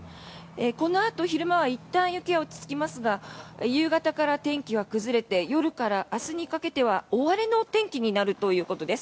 このあと昼間はいったん雪は落ち着きますが夕方から天気は崩れて夜から明日にかけては大荒れのお天気になるということです。